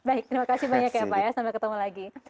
baik terima kasih banyak ya pak ya sampai ketemu lagi